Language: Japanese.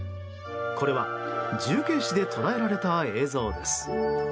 これは重慶市で捉えられた映像です。